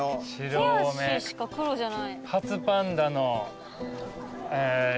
手足しか黒じゃない。